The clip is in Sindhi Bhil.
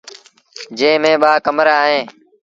جݩهݩ ميݩ ٻآ ڪمرآ اوهيݩ۔